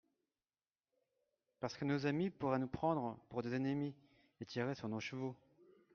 Parce que nos amis pourraient nous prendre pour des ennemis et tirer sur nos chevaux.